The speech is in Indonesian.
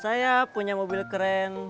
saya punya mobil keren